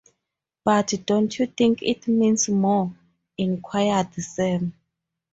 ‘But don’t you think it means more?’ inquired Sam.